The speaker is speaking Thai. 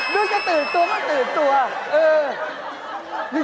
นึกจะตื่นตัวก็ตื่นตัว